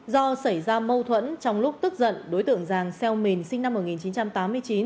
do xảy ra mâu thuẫn trong lúc tức giận đối tượng giàng xeo mình sinh năm một nghìn chín trăm tám mươi chín